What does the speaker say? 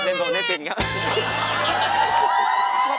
เล่นโฟล์ในปินครับ